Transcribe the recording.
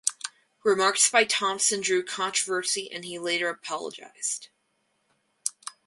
Remarks by Thompson drew controversy and he later apologized.